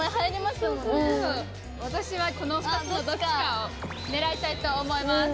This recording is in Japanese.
私はこの２つのどっちかを狙いたいと思います。